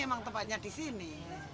emang tempatnya di sini